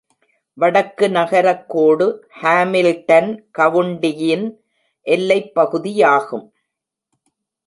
வடக்கு நகரக் கோடு ஹாமில்டன் கவுண்டியின் எல்லைப் பகுதியாகும்.